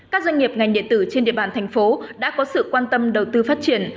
các doanh nghiệp ngành điện tử trên địa bàn thành phố đã có sự quan tâm đầu tư phát triển